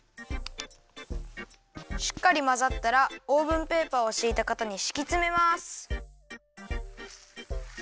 しっかりまざったらオーブンペーパーをしいたかたにしきつめます。